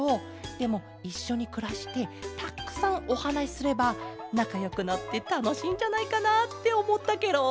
でもいっしょにくらしてたっくさんおはなしすればなかよくなってたのしいんじゃないかなっておもったケロ。